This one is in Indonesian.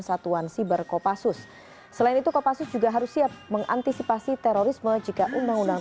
satuan siber kopassus selain itu kopassus juga harus siap mengantisipasi terorisme jika undang undang